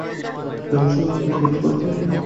যাইবার সময় একটু ঘুরপথ দিয়া গেল।